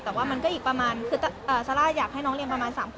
แต่ว่ามันก็อีกประมาณคือซาร่าอยากให้น้องเรียนประมาณ๓คน